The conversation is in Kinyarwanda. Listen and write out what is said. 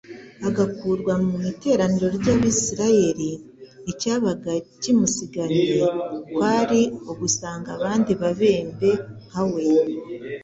agakurwa mu iteraniro ry'abisiraeli; icyabaga kimusiganye kwari ugusanga abandi babembe nka we.